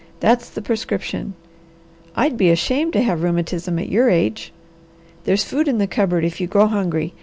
That's the prescription! I'd be ashamed to have rheumatism at your age. There's food in the cupboard if you grow hungry.